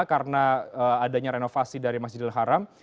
karena adanya renovasi dari masjidil haram